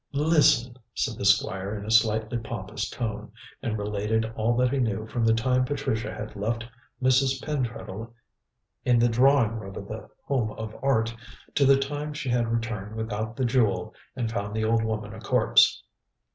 "Listen," said the Squire in slightly pompous tone, and related all that he knew from the time Patricia had left Mrs. Pentreddle in the drawing room of The Home of Art, to the time she had returned without the jewel and found the old woman a corpse.